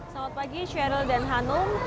selamat pagi sheryl dan hanum